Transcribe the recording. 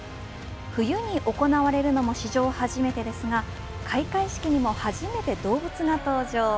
冬に行われるのも史上初めてですが開会式にも初めて動物が登場。